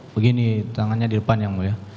begini tangannya di depan yang mulia